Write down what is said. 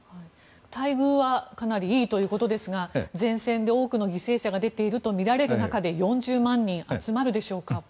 待遇はかなりいいということですが前線で多くの犠牲者が出ているとみられる中で４０万人集まるでしょうか。